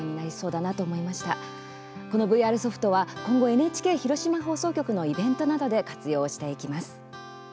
このＶＲソフトは今後、ＮＨＫ広島放送局のイベントなどで活用していきます。